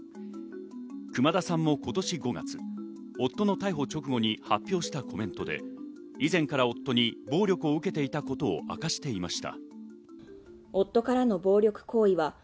熊田さんも今年５月、夫の逮捕直後に発表したコメントで以前から夫に暴力を受けていたことを明かしていました。